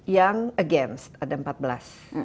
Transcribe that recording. yang against ada empat belas